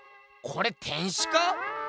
これ天使か？